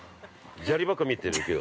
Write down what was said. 砂利ばっか見えているけど。